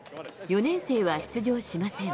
４年生は出場しません。